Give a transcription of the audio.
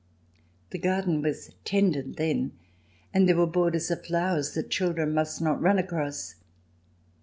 The garden was tended then, and there were borders of flowers that children must not run across.